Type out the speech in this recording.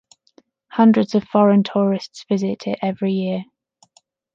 Hundreds of foreign tourists visit it every year.